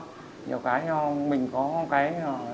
nhiều cái cho mình có cái